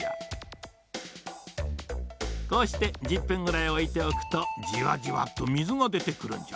こうして１０分ぐらいおいておくとじわじわっと水がでてくるんじゃ。